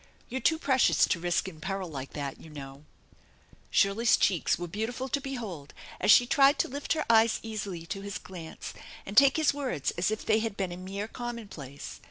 You're too precious to risk in peril like that, you know !" Shirley's cheeks were beautiful to behold as she tried to lift her eyes easily to his glance and take his words as if they had been a mere commonplace.